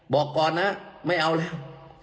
บอกก่อนนะไม่เอาแล้ว